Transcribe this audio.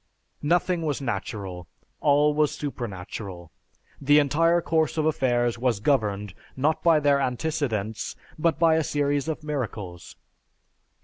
"Nothing was natural, all was supernatural. The entire course of affairs was governed, not by their antecedents, but by a series of miracles.